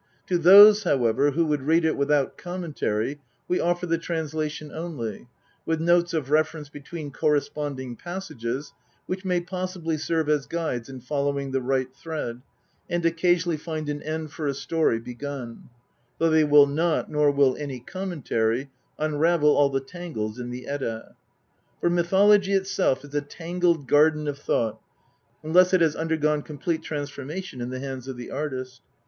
To those, however, who would read it without commentary we offer the translation only, with notes of reference between corresponding passages which may possibly serve as guides in following the right thread, and occasionally find an end for a story begun ; though they will not, nor will any commentary, unravel all the tangles in the Edda. For mythology itself is a tangled garden of thought unless it has undergone complete transformation in the hands of the artist.